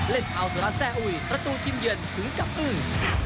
เล่นเผาสลัดแซ่อุ่ยระตูทิมเยือนถึงกับอึ้ง